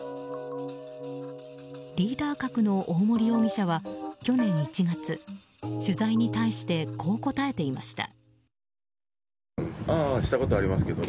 リーダー格の大森容疑者は去年１月取材に対してこう答えていました。